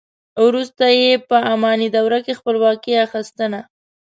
وروسته یې په اماني دوره کې خپلواکي اخیستنه.